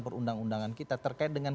perundang undangan kita terkait dengan